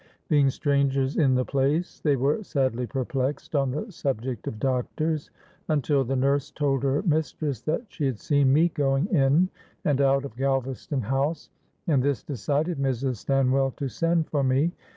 "Being strangers in the place they were sadly perplexed on the subject of doctors, until the nurse told her mistress that she had seen me going in and out of Galvaston House. And this decided Mrs. Stanwell to send for me.